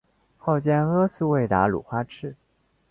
后兼阿速卫达鲁花赤。